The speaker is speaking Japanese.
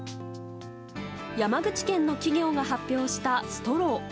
山口県の企業が発表したストロー。